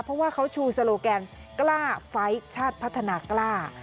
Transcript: เพราะว่าเขาชูโซโลแกนกล้าไฟล์ชาติพัฒนากล้า